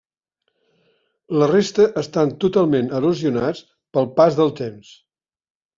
La resta estan totalment erosionats pel pas del temps.